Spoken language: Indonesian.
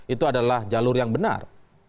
itu adalah jalur yang benar